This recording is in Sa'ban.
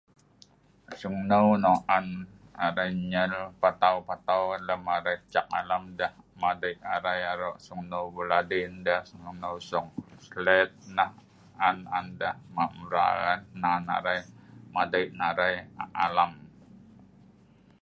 Sungneu nok an arai nyer patau-patau lem arai ceek alam deh madei arai aro sungneu beladin deeh sungneu sunghlet nah an-an deh mak mral madei narai alam